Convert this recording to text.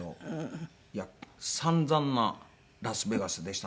散々なラスベガスでしたね。